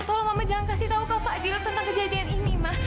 tolong ma jangan kasih tahu kak fadil tentang kejadian ini ma